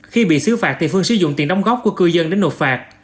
khi bị xứ phạt thì phương sử dụng tiền đóng góp của cư dân đến nộp phạt